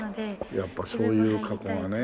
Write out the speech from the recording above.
やっぱそういう過去がね。